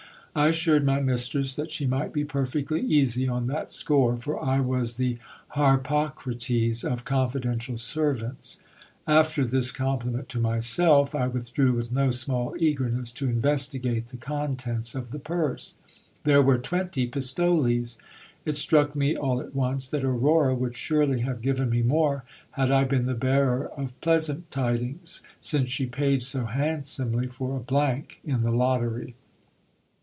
I assured my mistress that she might be perfectly easy on that score, for I was the Harpocrates of confidential servants. After this compliment to myself, I withdrew with no small eagerness to investigate the contents of the purse. There were twenty pistoles. It struck me all at once that Aurora would surely have given me more had I been the bearer of pleasant tidings, since she paid so handsomely for a blank in the lottery.